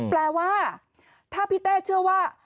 แปลว่าถ้าพี่เต้เชื่อว่า